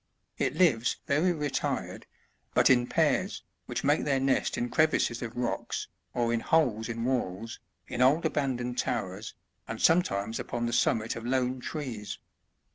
It lives very retired, but in pairs, which make their nest in crevices of rocks, or in holes in walls, in old abandoned towers, and some times upon the summit of lone trees.